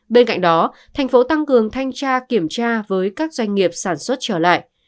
bên cạnh đó thành phố tăng cường thanh tra kiểm tra với các doanh nghiệp sản xuất trở lại